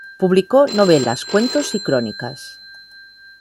Publicó novelas, cuentos y crónicas.